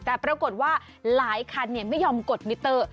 แต่ปรากฏว่าหลายคันไม่ยอมกดมิเตอร์